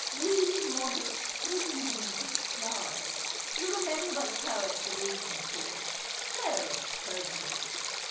'Wee modest crimson tipped flowers'—you remember the poet's allusion, of course? So appropriate."